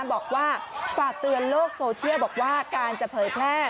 บอกว่าฝากเตือนโลกโซเชียลบอกว่าการจะเผยแพร่